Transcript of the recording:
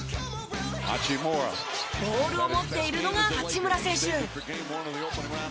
ボールを持っているのが八村選手。